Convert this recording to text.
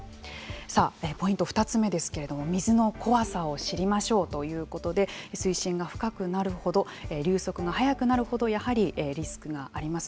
さあ、ポイント２つ目ですけれども水の怖さを知りましょうということで水深が深くなるほど流速が速くなるほど、やはりリスクがあります。